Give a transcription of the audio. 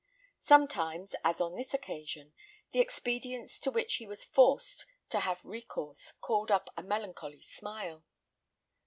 Sometimes, as on this occasion, the expedients to which he was forced to have recourse, called up a melancholy smile.